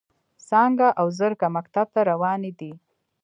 څانګه او زرکه مکتب ته روانې دي.